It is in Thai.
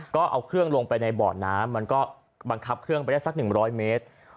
ก็เอาเครื่องลงไปในบ่อน้ำมันก็บังคับเครื่องไปได้สัก๑๐๐เมตร